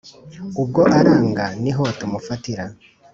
ubwo aranga niho tumufatira